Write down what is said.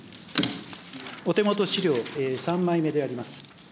お手元資料３枚目であります。